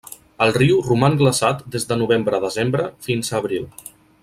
El riu roman glaçat des de novembre-desembre fins a abril.